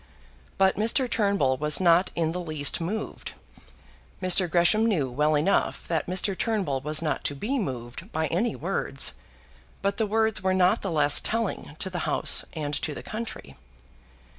But Mr. Turnbull was not in the least moved. Mr. Gresham knew well enough that Mr. Turnbull was not to be moved by any words; but the words were not the less telling to the House and to the country.